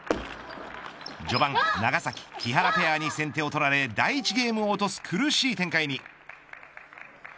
序盤、長崎木原ペアに先手を取られ第１ゲームを落とす苦しい展開に。